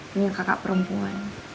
punya kakak perempuan